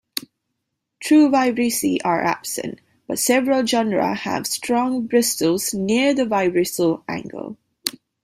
True vibrissae are absent, but several genera have strong bristles near the vibrissal angle.